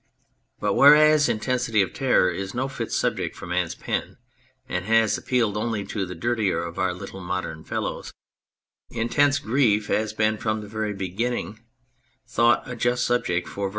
But whereas intensity of terror is no fit subject for man's pen, and has appealed only to the dirtier of our little modern fellows, intense grief has been from the very beginning thought a just subject for verse.